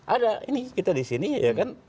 ada ini kita disini ya kan